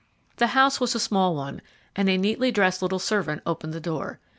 The house was a small one, and a neatly dressed little servant opened the door.